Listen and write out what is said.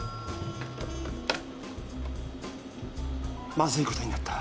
☎まずいことになった。